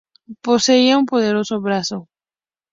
Poseía un poderoso brazo.